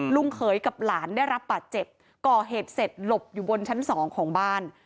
เขยกับหลานได้รับบาดเจ็บก่อเหตุเสร็จหลบอยู่บนชั้นสองของบ้าน